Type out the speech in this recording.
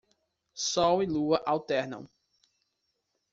Sol e luar alternam